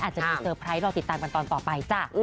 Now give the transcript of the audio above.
อาจจะมีเซอร์ไพรส์รอติดตามกันตอนต่อไปจ้ะ